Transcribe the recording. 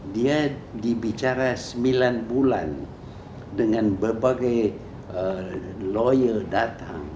dia dibicara sembilan bulan dengan berbagai lawyer datang